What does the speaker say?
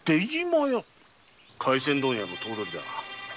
廻船問屋の頭取だ。